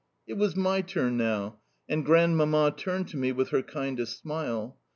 It was my turn now, and Grandmamma turned to me with her kindest smile.